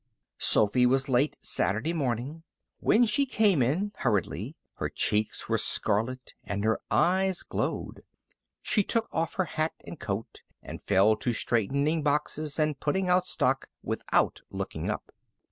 Sophy was late Saturday morning. When she came in, hurriedly, her cheeks were scarlet and her eyes glowed. She took off her hat and coat and fell to straightening boxes and putting out stock without looking up.